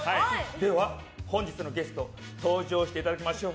では、本日のゲストに登場していただきましょう。